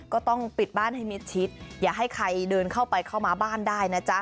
ก็ต้องปิดบ้านให้มิดชิดอย่าให้ใครเดินเข้าไปเข้ามาบ้านได้นะจ๊ะ